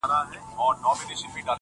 زمـــا د رسـوايـــۍ كــيســه.